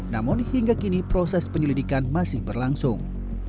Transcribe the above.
namun hingga kini proses penyelidikan masih berlangsung